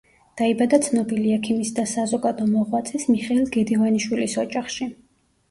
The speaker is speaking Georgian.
დაიბადა ცნობილი ექიმის და საზოგადო მოღვაწის მიხეილ გედევანიშვილის ოჯახში.